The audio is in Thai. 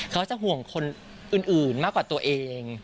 เขาจะห่วงคนอื่นมากกว่าตัวเอง